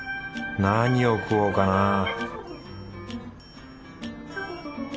何を食おうかな